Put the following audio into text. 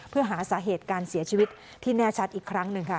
เพื่อหาสาเหตุการเสียชีวิตที่แน่ชัดอีกครั้งหนึ่งค่ะ